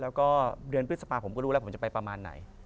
แล้วก็เดือนพฤษภาผมก็รู้แล้วผมจะไปประมาณไหน